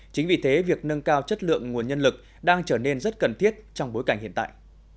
chính vì thế việc nâng cao chất lượng nguồn nhân lực đang trở nên rất cần thiết trong bối cảnh hiện tại